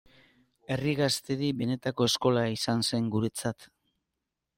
Herri Gaztedi benetako eskola izan zen guretzat.